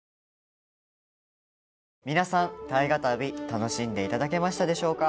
皆さん「大河たび」楽しんでいただけましたでしょうか。